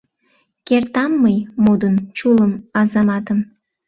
Кертам мый модын чулым Азаматым